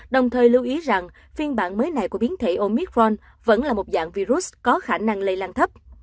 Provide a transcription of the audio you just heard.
đồng thời lưu ý rằng phiên bản mới này của biến thể omitron vẫn là một dạng virus có khả năng lây lan thấp